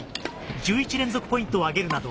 １１連続ポイントを挙げるなど